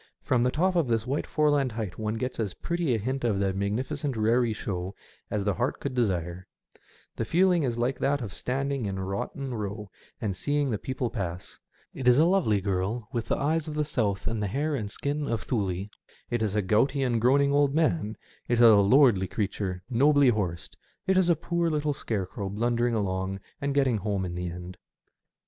From the top of this white foreland height one gets as pretty a hint of the magnificent raree show as the heart could desire. The feeling is like that of standing in Botten 202 SEASIDE EFFECTS. Row and seeing the people pass. It is a lovely girl with the eyes of the South and the hair and skin of Thnle, it is a gouty and groaning old man, it is a lordly creature, nobly horsed, it is a poor little scarecrow blundering along and getting home in the end.